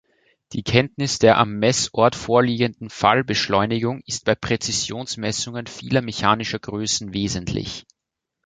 Die Kenntnis der am Messort vorliegenden Fallbeschleunigung ist bei Präzisionsmessungen vieler mechanischer Größen wesentlich.